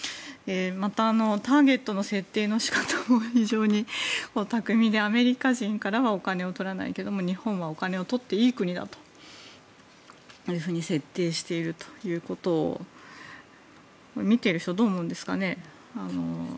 また、ターゲットの設定の仕方も非常に巧みでアメリカ人からはお金を取らないけども日本はお金を取っていい国だというふうに設定しているということを見ている人はどう思うんですかね。